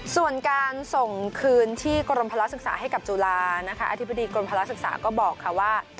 ส่วนการส่งคืนที่กรมภาระศึกษาให้กับจุฬานะคะอธิบดีกรมภาระศึกษาก็บอกค่ะว่า